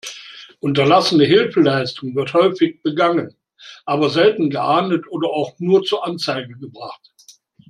Unterlassene Hilfeleistung wird häufig begangen, aber selten geahndet oder auch nur zur Anzeige gebracht.